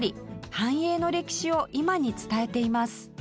繁栄の歴史を今に伝えています